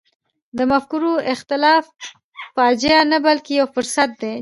د مفکورو اختلاف فاجعه نه بلکې یو فرصت دی.